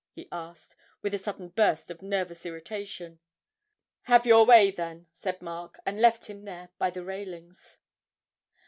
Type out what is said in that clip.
he asked, with a sudden burst of nervous irritation. 'Have your way then?' said Mark, and left him there by the railings.